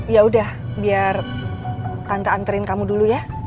yaudah biar tante anterin kamu dulu ya